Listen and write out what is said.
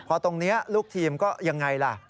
พอตรงนี้ลูกทีมก็ยังไงล่ะ